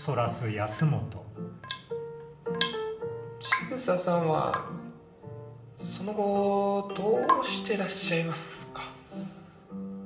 ちぐささんはその後どうしてらっしゃいますか？